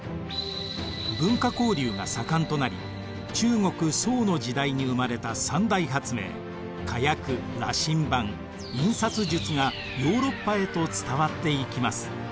文化交流が盛んとなり中国・宋の時代に生まれた三大発明火薬羅針盤印刷術がヨーロッパへと伝わっていきます。